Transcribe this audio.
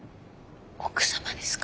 奥様ですか？